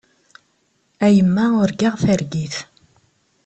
A yemma urgaɣ targit.